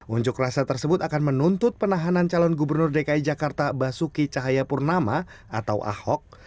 unjuk rasa tersebut akan menuntut penahanan calon gubernur dki jakarta basuki cahayapurnama atau ahok